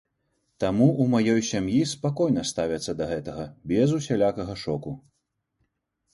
Таму ў маёй сям'і спакойна ставяцца да гэтага, без усялякага шоку.